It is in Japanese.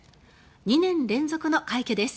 ２年連続の快挙です。